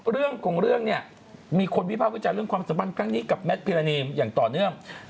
เรื่องกันเนี่ยมีคนวิภาพกับความสัมพันธ์กันกับแมทพิลาเนมอย่างต่อเนื่อง